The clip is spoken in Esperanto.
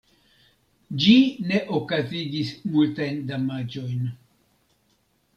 Ĝi ne okazigis multajn damaĝojn.